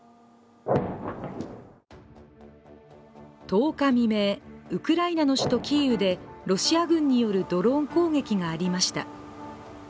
１０日未明、ウクライナの首都キーウでロシア軍によるドローン攻撃がありました。